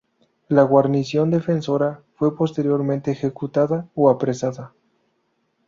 La guarnición defensora fue posteriormente ejecutada o apresada.